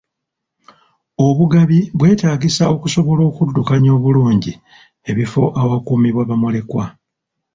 Obugabi bwetaagisa okusobola okuddukanya obulungi ebifo awakuumibwa bamulekwa.